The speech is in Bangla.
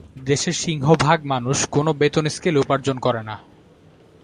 দেশের সিংহভাগ মানুষ কোনো বেতন স্কেলে উপার্জন করেন না।